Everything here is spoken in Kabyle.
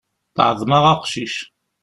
Teεḍem-aɣ aqcic.